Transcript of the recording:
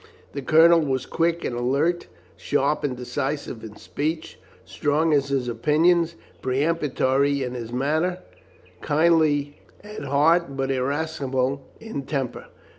The Colonel was quick and alert, sharp and decisive in speech, strong in his opinions, peremptory in his manner, kindly at heart, but irascible in temper.